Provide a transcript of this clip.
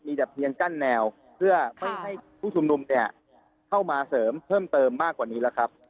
มีแต่เพียงกั้นแนวเพื่อไม่ให้ผู้ชุมนุมเนี่ยเข้ามาเสริมเพิ่มเติมมากกว่านี้แล้วครับ